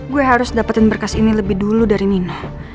gue harus dapetin berkas ini lebih dulu dari nina